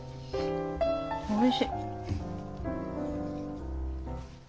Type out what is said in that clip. おいしい！